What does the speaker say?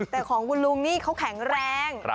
แต่ของคุณลุงนี่เขาแข็งแรง